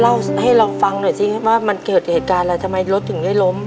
เล่าให้เราฟังหน่อยสิครับว่ามันเกิดเหตุการณ์อะไรทำไมรถถึงได้ล้ม